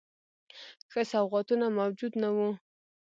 ښه سوغاتونه موجود نه وه.